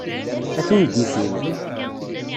A tungifin!